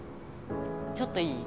ちょっといい？